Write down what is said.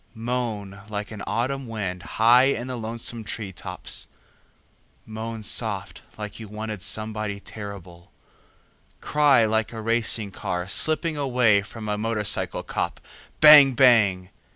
Moan like an autumn wind high in the lonesome tree tops, moan soft like you wanted somebody terrible, cry like a racing car slipping away from a motorcycle cop, bang bang!